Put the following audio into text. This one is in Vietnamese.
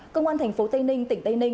công an thành phố tây ninh tỉnh tây ninh